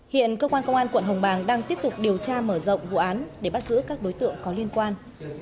hiện cơ quan công an quận hồng bàng đang tiếp tục điều tra mở rộng vụ án để bắt giữ các đối tượng có liên quan